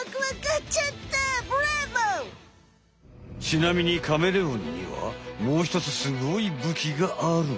ちなみにカメレオンにはもうひとつすごいぶきがある。